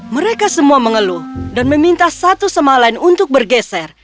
mereka semua mengeluh dan meminta satu sama lain untuk bergeser